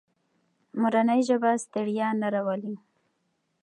مورنۍ ژبه ستړیا نه راولي.